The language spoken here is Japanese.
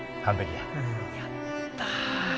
やった！